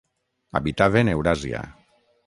Habitaven Euràsia.